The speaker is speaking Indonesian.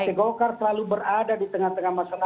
pak tegokar selalu berada di tengah tengah masyarakat